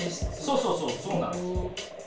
そうそうそうそうなんです。